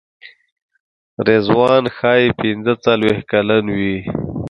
رضوان ښایي پنځه څلوېښت کلن وي.